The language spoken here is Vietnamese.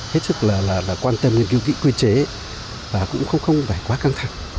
hết sức là quan tâm đến kỹ quy chế và cũng không phải quá căng thẳng